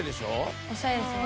おしゃれですね。